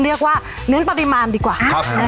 เรียกว่าเน้นปริมาณดีกว่า